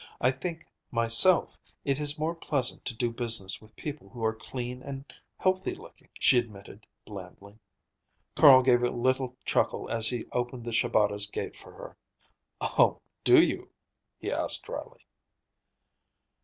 I think, myself, it is more pleasant to do business with people who are clean and healthy looking," she admitted blandly. Carl gave a little chuckle as he opened the Shabatas' gate for her. "Oh, do you?" he asked dryly.